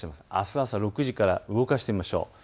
朝６時から動かしてみましょう。